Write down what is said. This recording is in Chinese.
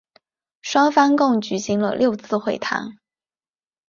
双方共举行了六次会谈。